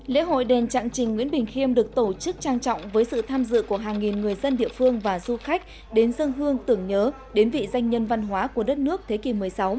lễ hội đền trạng trình nguyễn bình khiêm được tổ chức trang trọng với sự tham dự của hàng nghìn người dân địa phương và du khách đến dân hương tưởng nhớ đến vị danh nhân văn hóa của đất nước thế kỷ một mươi sáu